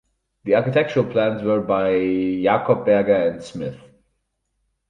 The architectural plans were by Jacobberger and Smith.